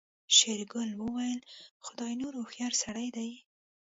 شېرګل وويل خداينور هوښيار سړی دی.